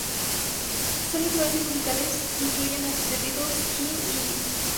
Sus influencias musicales incluyen a The Beatles, Queen y Onyanko Club.